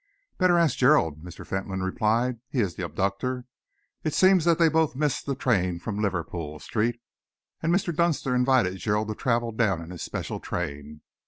"Better ask Gerald," Mr. Fentolin replied. "He is the abductor. It seems that they both missed the train from Liverpool Street, and Mr. Dunster invited Gerald to travel down in his special train.